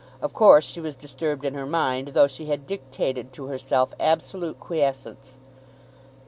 Of course she was disturbed in her mind, though she had dictated to herself absolute quiescence.